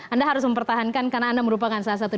anda harus mempertahankan karena anda merupakan salah satu